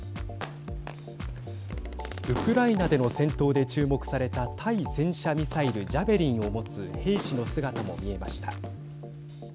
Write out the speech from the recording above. ウクライナでの戦闘で注目された対戦車ミサイル、ジャベリンを持つ兵士の姿も見えました。